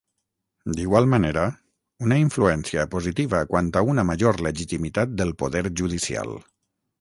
D'igual manera, una influència positiva quant a una major legitimitat del poder judicial.